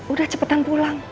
udah cepetan pulang